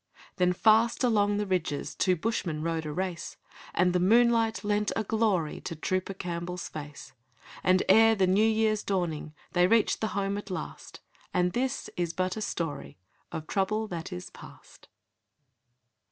..... Then fast along the ridges Two bushmen rode a race, And the moonlight lent a glory To Trooper Campbell's face. And ere the new year's dawning They reached the home at last; And this is but a story Of trouble that is past!